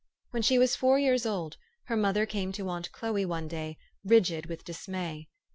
When she was four years old, her mother came to aunt Chloe one day, rigid with dismay.